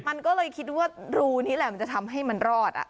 มันก็เลยคิดว่ารูนี้แหละมันจะทำให้มันรอด